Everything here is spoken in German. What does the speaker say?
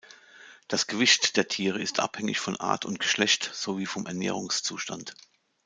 Das Gewicht der Tiere ist abhängig von Art und Geschlecht sowie vom Ernährungszustand.